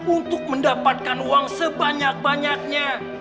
untuk mendapatkan uang sebanyak banyaknya